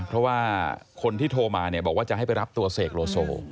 เพราะว่าคนที่โทรมาเนี่ยบอกว่าจะให้ไปรับตัวเสกโลโซ